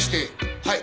はい。